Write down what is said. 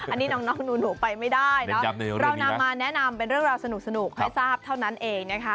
อันนี้น้องหนูไปไม่ได้เนอะเรานำมาแนะนำเป็นเรื่องราวสนุกให้ทราบเท่านั้นเองนะคะ